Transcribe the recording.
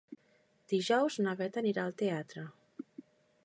Dijous na Beth anirà al teatre.